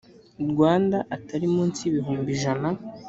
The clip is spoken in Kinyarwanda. rwanda atari munsi y ibihumbi ijana